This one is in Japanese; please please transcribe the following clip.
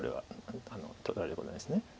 取られることはないです。